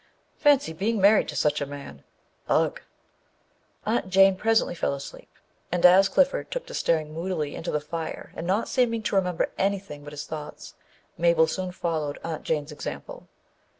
Fancy being married to such a man â ugh ! Aunt Jane presently fell asleep, and as Clifford took to staring moodily into the fire and not seeming to remember anything but his thoughts, Mabel soon followed Aunt Jane's example.